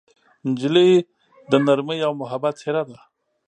نجلۍ د نرمۍ او محبت څېره ده.